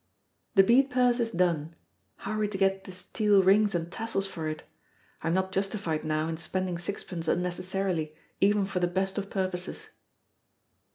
The bead purse is done. How are we to get the steel rings and tassels for it? I am not justified now in spending sixpence unnecessarily, even for the best of purposes.